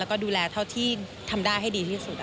แล้วก็ดูแลเท่าที่ทำได้ให้ดีที่สุด